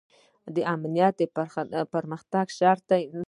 امنیت د پرمختګ شرط دی